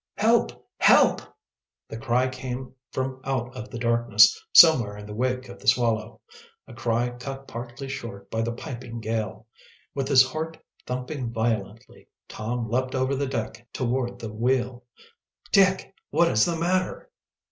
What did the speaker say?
"Help! help!" The cry came from out of the darkness, somewhere in the wake of the Swallow; a cry cut partly short by the piping gale. With his heart thumping violently, Tom leaped over the deck toward the wheel. "Dick! What is the matter?"